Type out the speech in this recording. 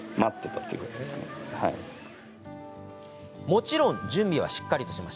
もちろん準備はしっかりと。